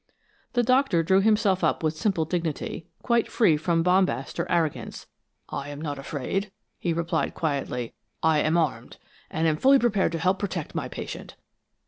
The Doctor drew himself up with simple dignity, quite free from bombast or arrogance. "I am not afraid," he replied, quietly. "I am armed, and am fully prepared to help protect my patient."